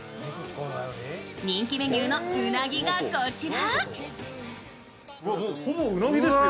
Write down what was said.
人気メニューのうなぎがこちら。